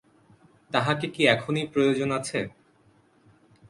তাঁহাকে কি এখনি প্রয়োজন আছে?